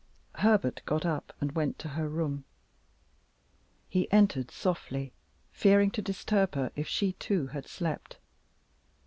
Herbert got up and went to her room. He entered softly, fearing to disturb her if she too had slept.